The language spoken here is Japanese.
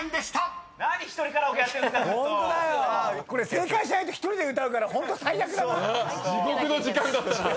正解しないと１人で歌うからホント最悪だな。